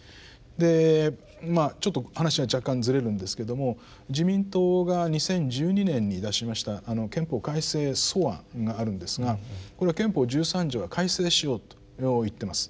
でまあちょっと話は若干ずれるんですけども自民党が２０１２年に出しました憲法改正草案があるんですがこれは憲法十三条は改正しようと言っています。